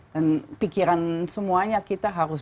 dan pikiran semuanya kita harus